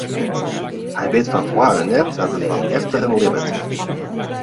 Hy wit fan foaren net dat er fan efteren libbet.